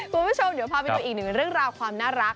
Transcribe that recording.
คุณผู้ชมเดี๋ยวพาไปดูอีกหนึ่งเรื่องราวความน่ารัก